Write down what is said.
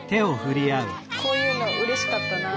こういうのうれしかったなあ。